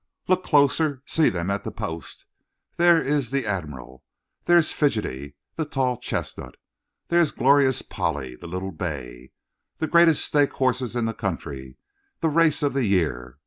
"Look closer! See them at the post. There's the Admiral. There's Fidgety that tall chestnut. There's Glorious Polly the little bay. The greatest stake horses in the country. The race of the year.